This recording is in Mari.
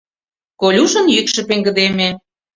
— Колюшын йӱкшӧ пеҥгыдеме.